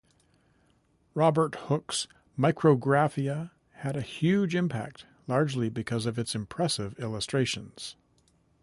Robert Hooke's "Micrographia" had a huge impact, largely because of its impressive illustrations.